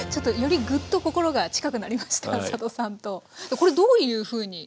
これどういうふうに？